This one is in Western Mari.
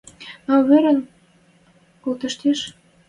Ма уверӹм колтен тиш?